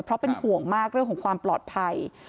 เพราะเป็นห่วงมากเรื่องของความปลอดภัย